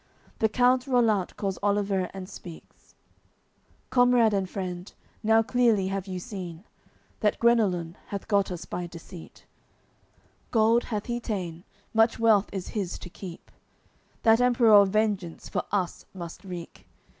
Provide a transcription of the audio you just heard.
The count Rollant calls Oliver, and speaks "Comrade and friend, now clearly have you seen That Guenelun hath got us by deceit; Gold hath he ta'en; much wealth is his to keep; That Emperour vengeance for us must wreak.